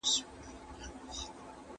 که تدریس تمرین ولري، مهارت نه کمزورې کېږي.